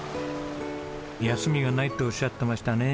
休みがないっておっしゃってましたね。